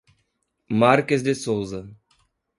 Marques de Souza